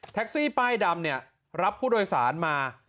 ป้ายดำเนี่ยรับผู้โดยสารมา